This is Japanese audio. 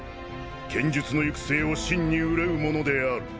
剣術の行く末を真に憂う者である。